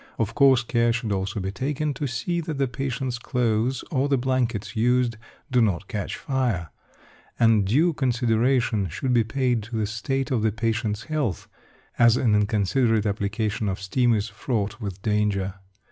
Of course, care should also be taken to see that the patient's clothes or the blankets used do not catch fire; and due consideration should be paid to the state of the patient's health, as an inconsiderate application of steam is fraught with danger.